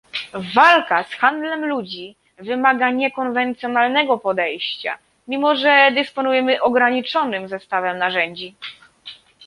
Walka z handlem ludźmi wymaga niekonwencjonalnego podejścia, mimo że dysponujemy ograniczonym zestawem narzędzi